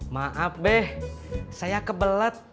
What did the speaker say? maaf be saya kebelet